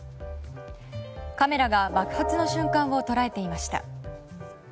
カメラが爆発の瞬間を捉えていました。